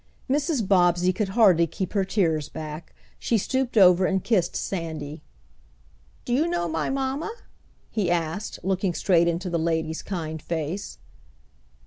Mrs. Bobbsey could hardly keep her tears back. She stooped over and kissed Sandy. "Do you know my mamma?" he asked, looking straight into the lady's kind face.